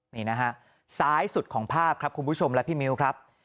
นี่นะฮะซ้ายสุดของภาพครับคุณผู้ชมและพี่มิ้วครับ